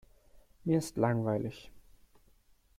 Mir ist langweilig.